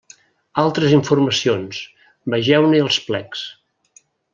Altres informacions: vegeu-ne els plecs.